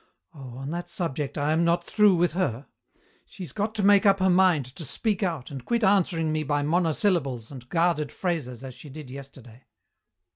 Oh, on that subject I am not through with her. She's got to make up her mind to speak out and quit answering me by monosyllables and guarded phrases as she did yesterday.